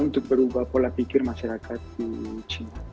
untuk berubah pola pikir masyarakat di china